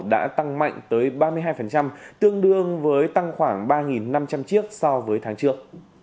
đã tăng mạnh tới ba mươi hai tương đương với tăng khoảng ba năm trăm linh chiếc so với tháng trước